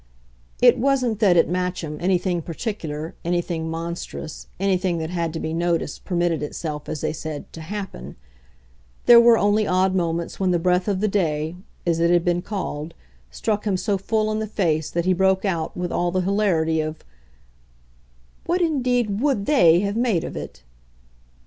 It wasn't that, at Matcham, anything particular, anything monstrous, anything that had to be noticed permitted itself, as they said, to "happen"; there were only odd moments when the breath of the day, as it has been called, struck him so full in the face that he broke out with all the hilarity of "What indeed would THEY have made of it?"